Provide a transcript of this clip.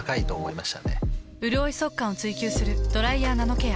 うるおい速乾を追求する「ドライヤーナノケア」。